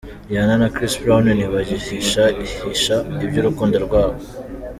Rihanna na Chris Brown ntibagihisha hisha iby’urukundo rwabo.